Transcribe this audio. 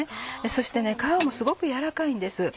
そして皮もすごく柔らかいんです。